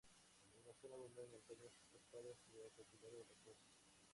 En la zona abundan montañas escarpadas y acantilados rocosos.